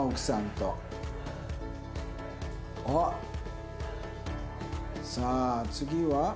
さあ次は？